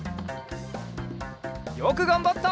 よくがんばった！